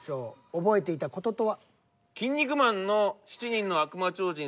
覚えていた事とは？